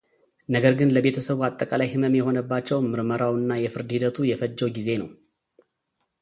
ነገር ግን ለቤተሰቡ አጠቃላይ ህመም የሆነባቸው ምርመራው እና የፍርድ ሂደቱ የፈጀው ጊዜ ነው።